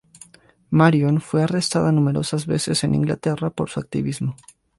Marion fue arrestada numerosas veces en Inglaterra por su activismo.